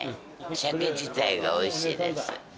鮭自体が美味しいです。